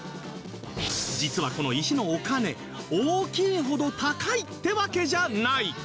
実はこの石のお金大きいほど高いってわけじゃない